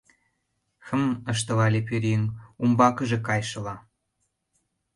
— Хм, — ыштале Пӧръеҥ, умбакыже кайышыла.